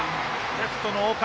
レフトは岡。